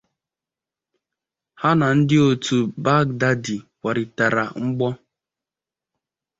Ha na ndị otu Baghdadi kwarịtara mgbọ.